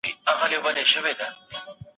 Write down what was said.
خیر محمد د میړانې نوی تعریف وموند.